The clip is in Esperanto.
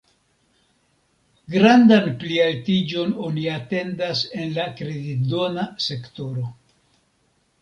Grandan plialtiĝon oni atendas en la kreditdona sektoro.